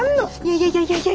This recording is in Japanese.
いやいやいやいや。